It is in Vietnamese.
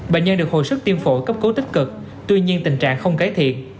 bệnh nhân được hồi sức tiêm phổi cấp cứu tích cực tuy nhiên tình trạng không cải thiện